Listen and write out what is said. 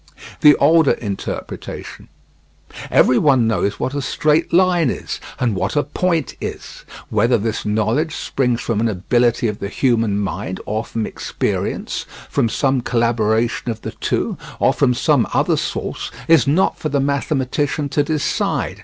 The older interpretation: Every one knows what a straight line is, and what a point is. Whether this knowledge springs from an ability of the human mind or from experience, from some collaboration of the two or from some other source, is not for the mathematician to decide.